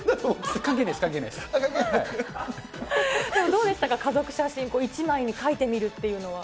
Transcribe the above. でもどうでしたか、家族写真、これ一枚に描いてみるっていうのは。